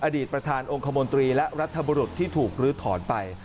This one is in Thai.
อดีตประธานองค์คมนตรีและรัฐบุรุษที่ถูกลื้อถอนไป